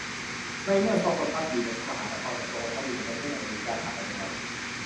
ในเมื่อทรงประทับอยู่ในพระมหานคร กับทรงประทับอยู่ในประเทศอเมริกา ต่างกันอย่างไร